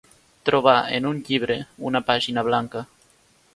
Trobar, en un llibre, una pàgina blanca.